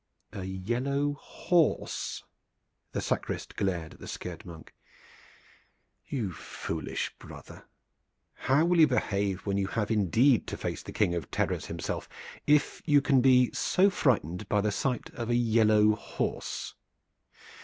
"A yellow horse!" The sacrist glared at the scared monk. "You foolish brother! How will you behave when you have indeed to face the King of Terrors himself if you can be so frightened by the sight of a yellow horse?